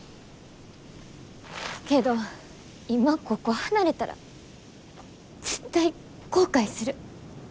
けど今ここ離れたら絶対後悔する。